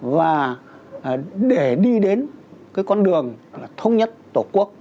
và để đi đến cái con đường là thống nhất tổ quốc